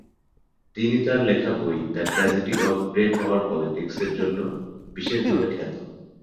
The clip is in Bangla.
তিনি তার লেখা বই "the tragedy of great power পলিটিক্স"-র জন্য বিশেষ ভাবে খ্যাত।